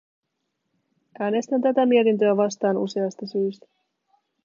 Äänestän tätä mietintöä vastaan useasta syystä.